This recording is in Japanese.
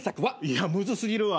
いやむず過ぎるわ。